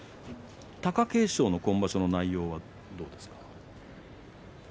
貴景勝の今場所の相撲はどうですか？